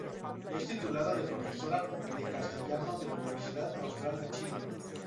Es titulada de profesora de castellano de la Universidad Austral de Chile.